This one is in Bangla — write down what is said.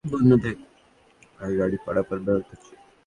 পাটুরিয়ায় দুটি ঘাটের দুটি পকেট বন্ধ থাকায় গাড়ি পারাপার ব্যাহত হচ্ছে।